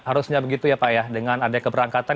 harusnya begitu ya pak ya dengan ada keberangkatan